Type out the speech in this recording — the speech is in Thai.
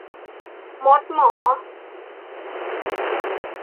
มด-หมอ